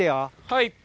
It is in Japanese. はい。